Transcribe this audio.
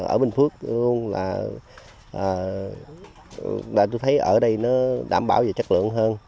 ở bình phước tôi thấy ở đây nó đảm bảo về chất lượng hơn